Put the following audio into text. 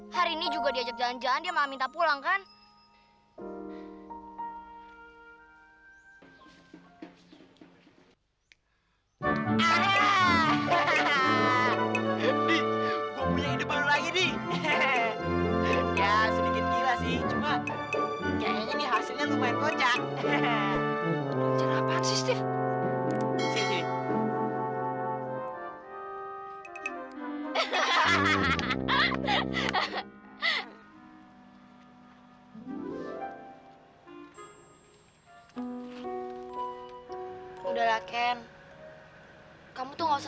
sampai jumpa di video selanjutnya